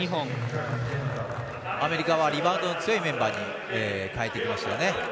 アメリカはリバウンド強いメンバーに代えてましたね。